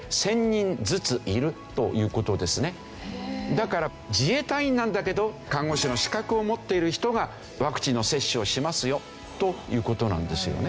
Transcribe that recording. だから自衛隊員なんだけど看護師の資格を持っている人がワクチンの接種をしますよという事なんですよね。